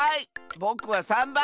ぼくは３ばん！